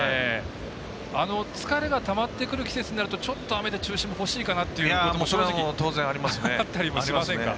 疲れがたまってくる季節になるとちょっと、雨で中止もほしいっていうことも正直ありますか。